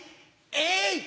えい！